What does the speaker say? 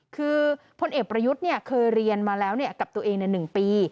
คือพลเอกประยุทธ์เคยเรียนมาแล้วกับตัวเองใน๑ปี